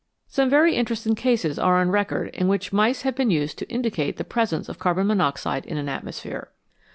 Some very interesting cases are on record in which mice have been used to indicate the presence of carbon mon oxide in an atmosphere.